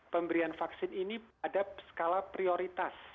pemberian vaksin ini ada skala prioritas